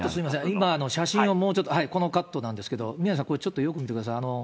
今、写真をもうちょっと、このカットなんですけれども、宮根さん、これちょっとよく見てください。